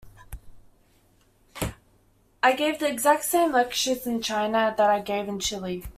I gave exactly the same lectures in China that I gave in Chile.